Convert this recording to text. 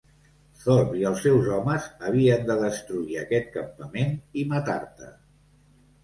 Thorpe i els seus homes havien de destruir aquest campament i matar-te.